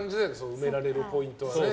埋められるポイントはね。